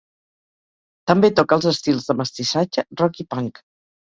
També toca els estils de mestissatge, rock i punk.